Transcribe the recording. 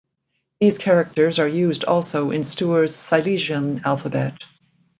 These characters are used also in Steuer's Silesian alphabet.